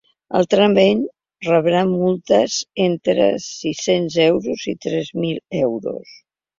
Altrament, rebran multes entre sis-cents euros i tres mil euros.